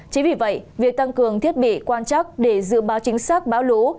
chỉ vì vậy việc tăng cường thiết bị quan chắc để dự báo chính xác báo lũ